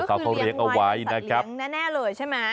ก็คือเลี้ยงวัยและสัตว์เลี้ยงแน่เลยใช่ไหม